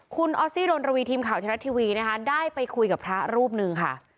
คุณออสซี่ดนระวีทีมข่าวไทยรัฐทีวีนะคะได้ไปคุยกับพระรูปหนึ่งค่ะ